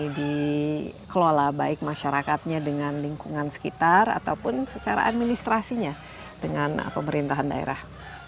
jadi kelola baik masyarakatnya dengan lingkungan sekitar ataupun secara administrasinya dengan pemerintahan daerah